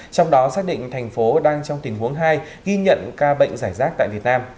trong đó xác định thành phố đang trong tình huống hai ghi nhận ca bệnh giải rác tại việt nam